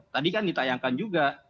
tadi kan ditayangkan juga